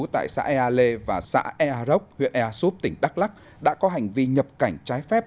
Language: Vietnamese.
tại xã ea lê và xã ea rốc huyện ea súp tỉnh đắk lắc đã có hành vi nhập cảnh trái phép